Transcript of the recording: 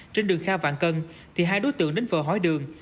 trên đường kha vạn cân thì hai đối tượng đến vờ hỏi đường